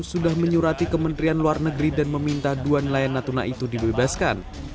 sudah menyurati kementerian luar negeri dan meminta dua nelayan natuna itu dibebaskan